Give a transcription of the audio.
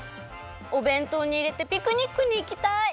おべんとうにいれてピクニックにいきたい！